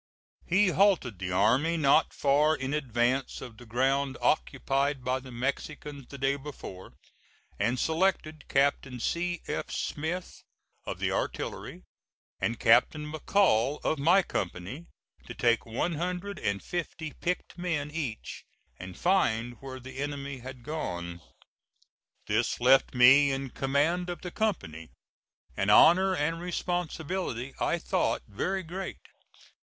He halted the army not far in advance of the ground occupied by the Mexicans the day before, and selected Captain C. F. Smith, of the artillery, and Captain McCall, of my company, to take one hundred and fifty picked men each and find where the enemy had gone. This left me in command of the company, an honor and responsibility I thought very great.